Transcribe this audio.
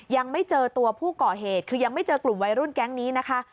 ยังไม่เจอตัวผู้ก่อเหตุคือยังไม่เจอกลุ่มวัยรุ่นแก๊งนี้นะคะ